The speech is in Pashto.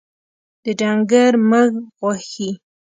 د ډنګر مږ غوښي